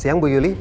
siang bu yuli